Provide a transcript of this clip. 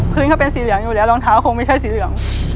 ก็เป็นสีเหลืองอยู่แล้วรองเท้าคงไม่ใช่สีเหลือง